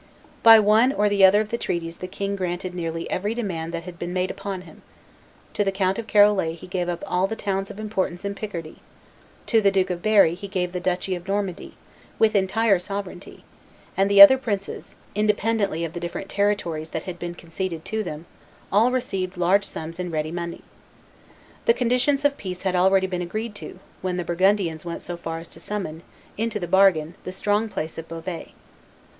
By one or the other of the treaties the king granted nearly every demand that had been made upon him; to the Count of Charolais he gave up all the towns of importance in Picardy; to the Duke of Berry he gave the duchy of Normandy, with entire sovereignty; and the other princes, independently of the different territories that had been conceded to them, all received large sums in ready money. The conditions of peace had already been agreed to, when the Burgundians went so far as to summon, into the bargain, the strong place of Beauvais.